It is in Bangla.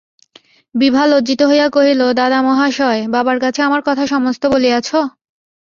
বিভা লজ্জিত হইয়া কহিল, দাদামহাশয়, বাবার কাছে আমার কথা সমস্ত বলিয়াছ?